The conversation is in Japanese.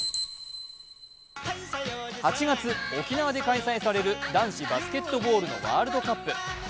８月、沖縄で開催される男子バスケットボールのワールドカップ。